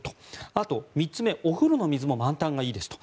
あと３つ目、お風呂の水も満タンがいいですと。